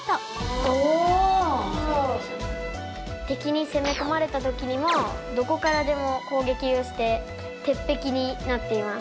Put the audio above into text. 敵に攻め込まれた時でもどこからでも攻撃して鉄壁になっています。